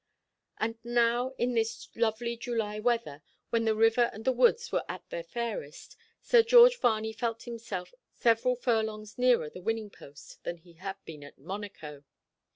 And now in this lovely July weather, when the river and the woods were at their fairest, Sir George Varney felt himself several furlongs nearer the winning post than he had been at Monaco.